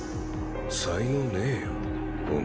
才能ねえよお前。